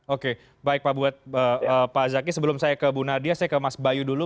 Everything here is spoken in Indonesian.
oke baik pak buat pak zaky sebelum saya ke bu nadia saya ke mas bayu dulu